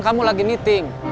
kamu lagi meeting